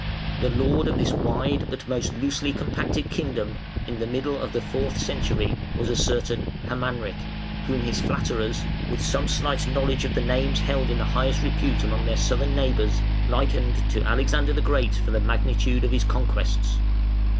The lord of this wide but most loosely compacted kingdom, in the middle of the fourth century, was a certain Hermanric, whom his flatterers, with some slight knowledge of the names held in highest repute among their Southern neighbours, likened to Alexander the Great for the magnitude of his conquests.